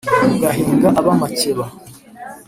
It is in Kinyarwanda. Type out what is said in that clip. ugahinga ab’amakeba